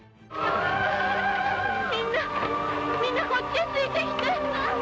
みんな、みんなこっちへついてきて！